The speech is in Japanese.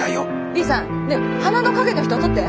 リーさんねっ花の陰の人撮って！